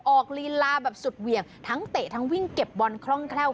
ลีลาแบบสุดเหวี่ยงทั้งเตะทั้งวิ่งเก็บบอลคล่องแคล่ว